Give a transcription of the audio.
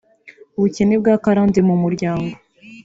ubukene bwa karande mu muryango